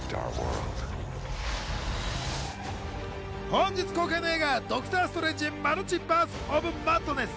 本日公開の映画『ドクター・ストレンジ／マルチバース・オブ・マッドネス』。